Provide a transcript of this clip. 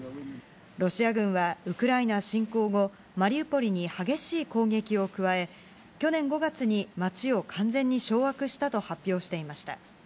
ロシア軍はウクライナ侵攻後、マリウポリに激しい攻撃を加え、去年５月に街を完全に掌握したと発表していました。